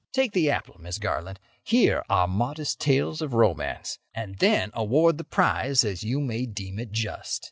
Take the apple, Miss Garland. Hear our modest tales of romance, and then award the prize as you may deem it just."